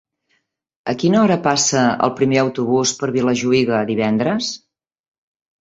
A quina hora passa el primer autobús per Vilajuïga divendres?